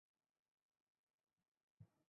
হালকা চিড় ধরেছে কাচের সামনের অংশে তবে তেমন কিছুনা।